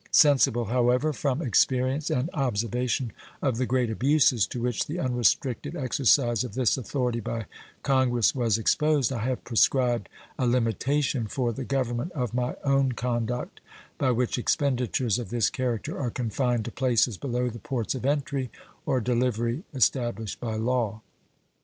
Sensible, however, from experience and observation of the great abuses to which the unrestricted exercise of this authority by Congress was exposed, I have prescribed a limitation for the government of my own conduct by which expenditures of this character are confined to places below the ports of entry or delivery established by law.